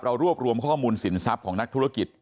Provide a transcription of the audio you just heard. รวบรวมข้อมูลสินทรัพย์ของนักธุรกิจ